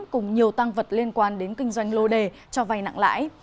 cùng nhiều tăng vật liên quan đến kinh doanh lô đề cho vay nặng lãi